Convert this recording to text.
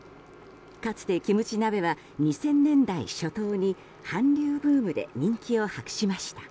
かつて、キムチ鍋は２０００年代初頭に韓流ブームで人気を博しました。